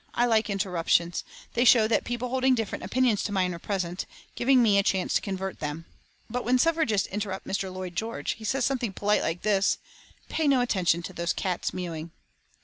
I like interruptions. They show that people holding different opinions to mine are present, giving me a chance to convert them." But when suffragists interrupt Mr. Lloyd George he says something polite like this: "Pay no attention to those cats mewing."